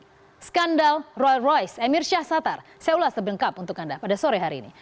lalu skandal royal royce emir syah sattar saya ulas terdengkap untuk anda pada sore hari ini